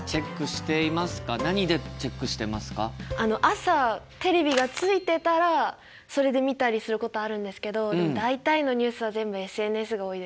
朝テレビがついてたらそれで見たりすることあるんですけど大体のニュースは全部ＳＮＳが多いですかね。